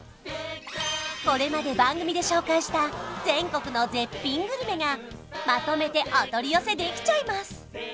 これまで番組で紹介した全国の絶品グルメがまとめてお取り寄せできちゃいます